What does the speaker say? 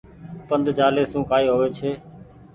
پند چآلي سون ڪآئي هووي ڇي۔